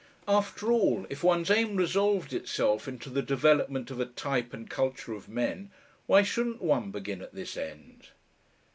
After all, if one's aim resolved itself into the development of a type and culture of men, why shouldn't one begin at this end?